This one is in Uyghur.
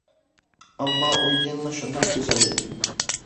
ئەمما ئۇ يەنىلا شۇنداق گۈزەل ئىدى.